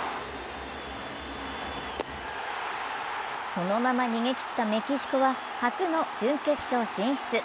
そのまま逃げ切ったメキシコは初の準決勝進出。